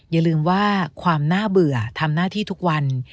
อย่าลืมว่าความน่าเบื่อทำหน้าที่ทุกวัน